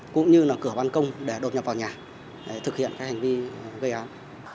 cũng như là cửa ban công để đột nhập vào nhà để thực hiện các hành vi gây án